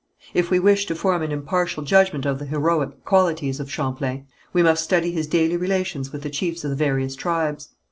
If we wish to form an impartial judgment of the heroic qualities of Champlain, we must study his daily relations with the chiefs of the various tribes.